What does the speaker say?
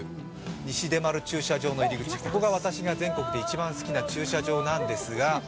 西出丸駐車場、ここが私が全国で一番好きな駐車場です。